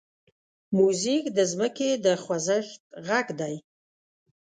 موزیک د ځمکې د خوځښت غږ دی.